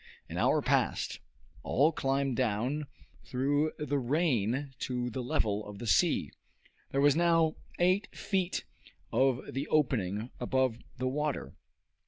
An hour passed. All climbed down through the rain to the level of the sea. There was now eight feet of the opening above the water.